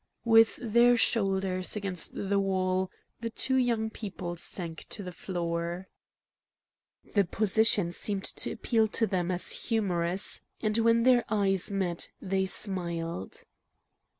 With their shoulders against the wall, the two young people sank to the floor. The position seemed to appeal to them as humorous, and, when their eyes met, they smiled.